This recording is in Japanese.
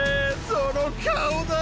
その顔だよ。